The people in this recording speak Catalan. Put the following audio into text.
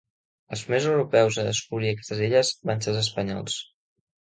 Els primers europeus a descobrir aquestes illes van ser els espanyols.